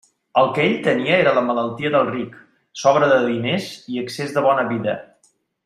El que ell tenia era la malaltia del ric: sobra de diners i excés de bona vida.